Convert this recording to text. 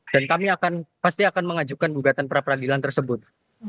dan kami akan pasti akan mengajukan gugatan pra peradilan tersebut